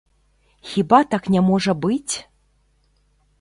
Хіба так не можа быць?